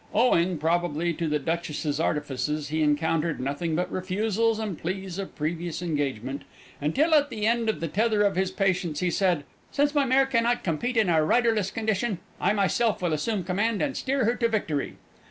Owing, probably, to the Duchess's artifices, he encountered nothing but refusals and pleas of previous engagement until, at the end of the tether of his patience, he said: "Since my mare cannot compete in a riderless condition, I myself will assume command and steer her to victory!"